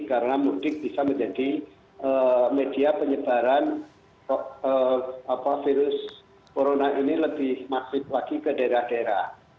karena mudik bisa menjadi media penyebaran virus corona ini lebih maksimal lagi ke daerah daerah